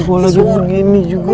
mereka merinduanku lagi begini juga